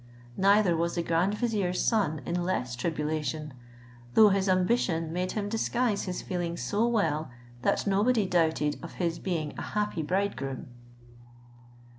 Neither was the grand vizier's son in less tribulation, though his ambition made him disguise his feelings so well, that nobody doubted of his being a happy bridegroom.